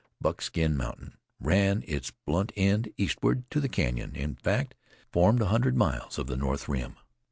Buckskin mountain ran its blunt end eastward to the Canyon in fact, formed a hundred miles of the north rim.